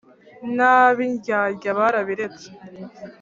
n’ab’indyadya barabiretse